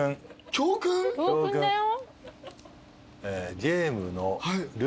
教訓だよ。